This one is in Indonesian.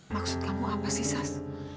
maksud kamu apa sih sas